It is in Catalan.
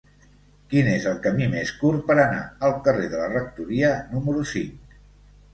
Quin és el camí més curt per anar al carrer de la Rectoria número cinc?